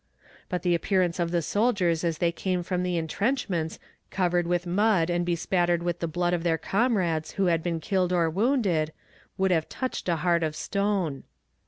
But the appearance of the soldiers as they came from the entrenchments covered with mud and bespattered with the blood of their comrades who had been killed or wounded, would have touched a heart of stone.